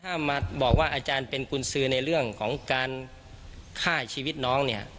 ถ้ามาบอกว่าอาจารย์เป็นกุญสือในเรื่องของการฆ่าชีวิตน้องเนี่ย